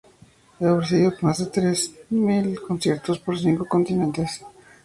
Ha ofrecido más de tres mil conciertos por los cinco continentes.